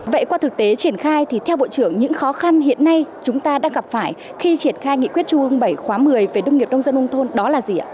vậy qua thực tế triển khai thì theo bộ trưởng những khó khăn hiện nay chúng ta đang gặp phải khi triển khai nghị quyết trung ương bảy khóa một mươi về đông nghiệp nông dân nông thôn đó là gì ạ